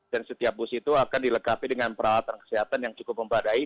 dan setiap bus itu akan dilekapi dengan perawatan kesehatan yang cukup mempadai